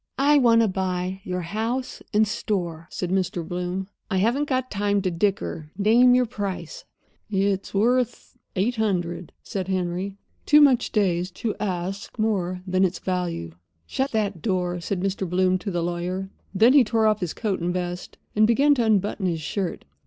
"I want to buy your house and store," said Mr. Bloom. "I haven't got time to dicker—name your price." "It's worth eight hundred," said Henry, too much dazed to ask more than its value. "Shut that door," said Mr. Bloom to the lawyer. Then he tore off his coat and vest, and began to unbutton his shirt.